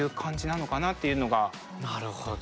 なるほど。